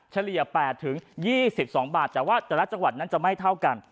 เฉลี่ย๘๒๒บาทแต่ว่าแต่ละจังหวัดนั้นจะไม่เท่ากัน